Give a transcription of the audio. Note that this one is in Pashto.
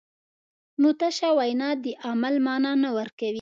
نو تشه وینا د عمل مانا نه ورکوي.